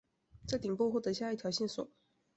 在顶部获得下一条线索。